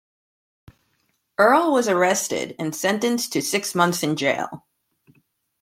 Earle was arrested and sentenced to six months in jail.